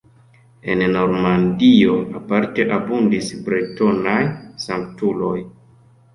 En Normandio aparte abundis bretonaj sanktuloj.